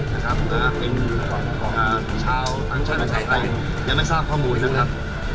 นะครับอ่าเป็นอ่าชาวทั้งชาวหนึ่งคนยังไม่ทราบข้อมูลนะครับ